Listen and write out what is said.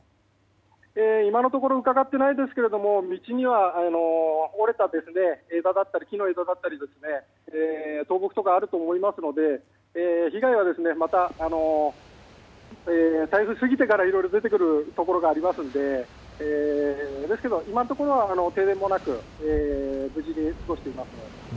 今のところ伺っていないんですが道には折れた木の枝だったり倒木があると思いますので被害は、また台風が過ぎてからいろいろ出てくるところがありますのでですけど、今のところは停電もなく無事に過ごしています。